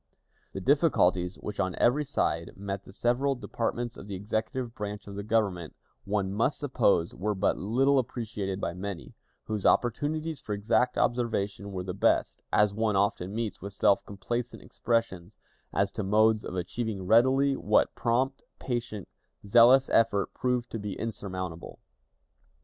The difficulties which on every side met the several departments of the executive branch of the Government one must suppose were but little appreciated by many, whose opportunities for exact observation were the best, as one often meets with self complacent expressions as to modes of achieving readily what prompt, patient, zealous effort proved to be insurmountable.